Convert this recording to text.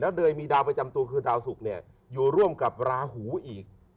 เดยมีดาวประจำตัวคือดาวสุกเนี่ยอยู่ร่วมกับราหูอีก